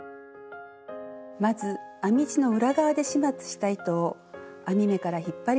まず編み地の裏側で始末した糸を編み目から引っ張り出します。